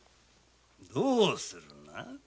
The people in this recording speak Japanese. どうするな？